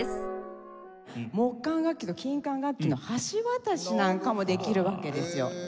木管楽器と金管楽器の橋渡しなんかもできるわけですよ。